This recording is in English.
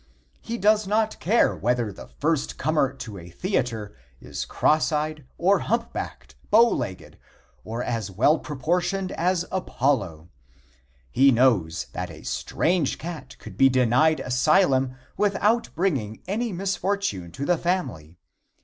He does not care whether the first comer to a theatre is crosseyed or hump backed, bow legged, or as well proportioned as Apollo. He knows that a strange cat could be denied asylum without bringing any misfortune to the family.